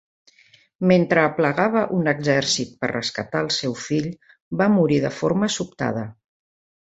Mentre aplegava un exèrcit per rescatar el seu fill, va morir de forma sobtada.